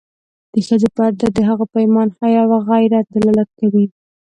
د ښځو پرده د هغوی په ایمان، حیا او غیرت دلالت کوي.